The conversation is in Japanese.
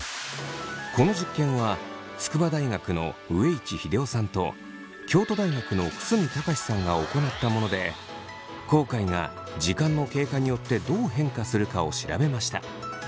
この実験は筑波大学の上市秀雄さんと京都大学の楠見孝さんが行ったもので後悔が時間の経過によってどう変化するかを調べました。